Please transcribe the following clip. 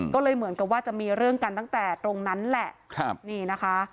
ก็เลยเหมือนกับว่าจะมีเรื่องกันตั้งแต่ตรงนั้นแหละนี่นะคะ